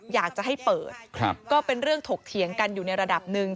อยากจะให้เปิดก็เป็นเรื่องถกเถียงกันอยู่ในระดับหนึ่ง